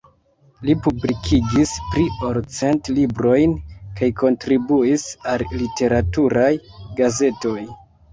Li publikigis pli ol cent librojn kaj kontribuis al literaturaj gazetoj.